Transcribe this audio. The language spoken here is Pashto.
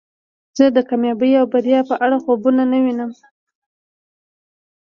زه د کامیابی او بریا په اړه خوبونه نه وینم